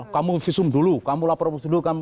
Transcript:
kamu visum dulu kamu lapor dulu kamu